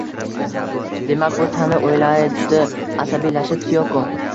Demak, bu Tani, o`yladi asabiylashib Tiyoko